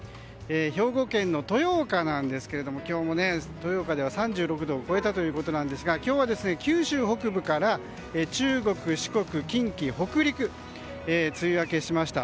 兵庫県の豊岡ですが気温も豊岡では３６度を超えたということですが今日は九州北部から中国・四国近畿北陸で梅雨明けしました。